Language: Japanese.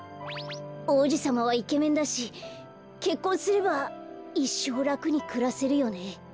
おうじさまはイケメンだしけっこんすればいっしょうらくにくらせるよね。